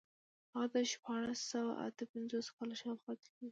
هغه د شپاړس سوه اته پنځوس کال شاوخوا تللی و.